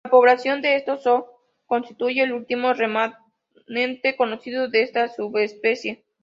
La población de este zoo constituye el último remanente conocido de esta subespecie.